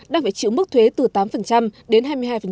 đang phải chịu mức thuế từ tám đến hai mươi hai